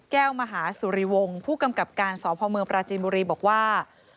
มหาสุริวงศ์ผู้กำกับการสพเมืองปราจีนบุรีบอกว่า